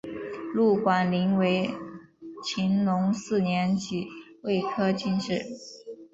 陆广霖为乾隆四年己未科进士。